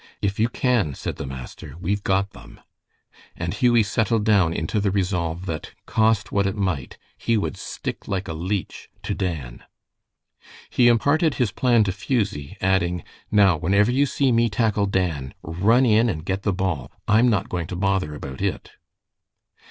"If you can," said the master, "we've got them," and Hughie settled down into the resolve that, cost what it might, he would stick like a leech to Dan. He imparted his plan to Fusie, adding, "Now, whenever you see me tackle Dan, run in and get the ball. I'm not going to bother about it."